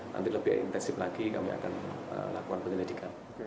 nanti lebih intensif lagi kami akan lakukan penyelidikan